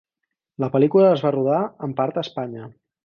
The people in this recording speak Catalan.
La pel·lícula es va rodar en part a Espanya.